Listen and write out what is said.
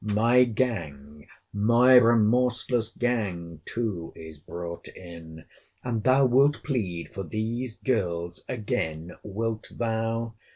—My gang, my remorseless gang, too, is brought in—and thou wilt plead for these girls again; wilt thou?